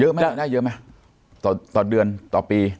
เยอะมั้ยนะเยอะมั้ยต่อเดือนต่อปี